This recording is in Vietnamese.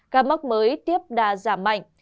ca mắc mới tiếp đà giảm mạnh